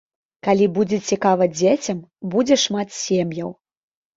Калі будзе цікава дзецям, будзе шмат сем'яў.